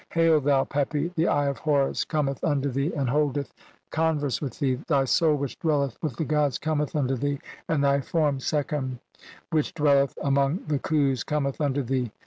Hail, thou Pepi, the "Eye of Horus cometh unto thee and holdeth con verse with thee, thy soul (14) which dwelleth with "the gods cometh unto thee, and thy form (sekhem) CXXXII INTRODUCTION. "which dwelleth among the Khus cometh unto thee.